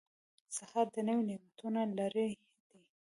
سهار د نوي نعمتونو لړۍ ده.